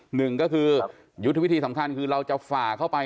หนึ่งก็คือยุทธวิธีสำคัญคือเราจะฝ่าเข้าไป